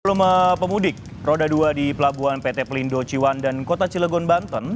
volume pemudik roda dua di pelabuhan pt pelindo ciwan dan kota cilegon banten